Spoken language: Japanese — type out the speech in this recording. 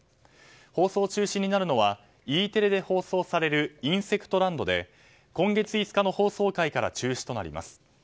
放送中止になるのはＥテレで放送される「インセクトランド」で今月５日の放送回から中止となります。